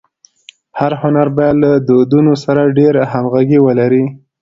هر هنر باید له دودونو سره ډېره همږغي ولري.